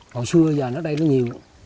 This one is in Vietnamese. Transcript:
hồi xưa giờ nó ở đây nó nhiều